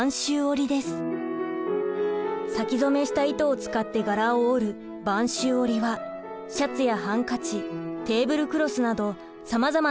先染めした糸を使って柄を織る播州織はシャツやハンカチテーブルクロスなどさまざまな製品に加工されます。